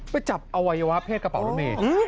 ไปจับอวัยวะเพศกระเป๋ารถเมย์